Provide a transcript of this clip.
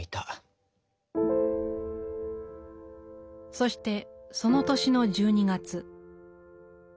そしてその年の１２月。